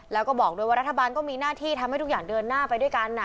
แล้วก็บอกด้วยว่ารัฐบาลก็มีหน้าที่ทำให้ทุกอย่างเดินหน้าไปด้วยกัน